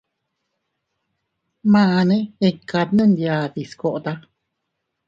Mane iʼkata nunyadis kota.